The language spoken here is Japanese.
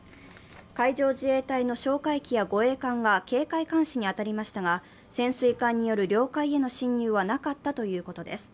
海上自衛隊の哨戒機や護衛艦が警戒監視に当たりましたが、潜水艦による領海への侵入はなかったということです。